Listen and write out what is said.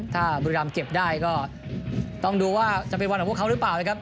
ถ้าบุรีรำเก็บได้ก็ต้องดูว่าจะเป็นวันของพวกเขาหรือเปล่านะครับ